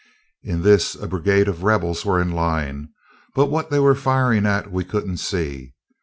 In this, a brigade of rebels were in line, but what they were firing at we couldn't see.